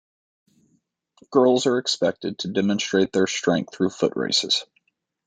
Girls are expected to demonstrate their strength through footraces.